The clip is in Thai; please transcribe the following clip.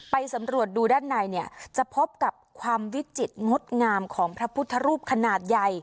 สำรวจดูด้านในเนี่ยจะพบกับความวิจิตรงดงามของพระพุทธรูปขนาดใหญ่